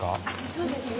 そうですね。